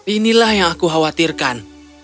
inilah yang aku khawatirkan